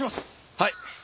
はい。